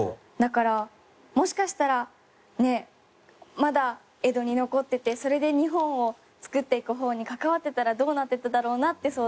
だからもしかしたらまだ江戸に残っててそれで日本を作っていく方に関わってたらどうなってただろうなって